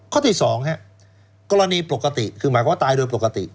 ข้อที่๒กรณีปกติคือหมายความว่าตายโดยปกติ